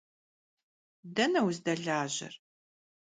Dene vuzdelajer?